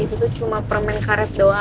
itu tuh cuma permen karet doang